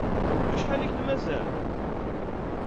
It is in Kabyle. Acḥal i k-d-mazal?